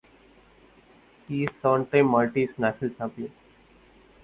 He is seven times Maltese National champion.